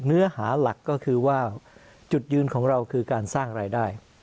เนื้อหาหลักก็คือว่าจุดยืนของเราคือการสร้างรายได้